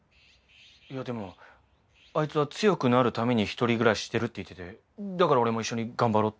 いやでもあいつは強くなるために１人暮らししてるって言っててだから俺も一緒に頑張ろうって。